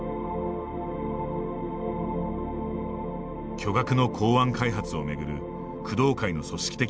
巨額の港湾開発を巡る工藤会の組織的